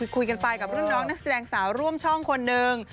คุยกันไปกับรุ่นน้องนักแสดงสาวร่วมช่องคนนึง